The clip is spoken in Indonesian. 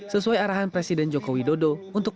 sesuai arahan presiden jokowi dodo